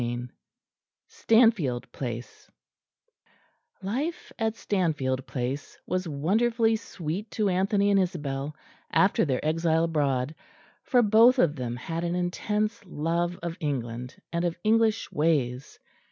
CHAPTER IV STANFIELD PLACE Life at Stanfield Place was wonderfully sweet to Anthony and Isabel after their exile abroad, for both of them had an intense love of England and of English ways.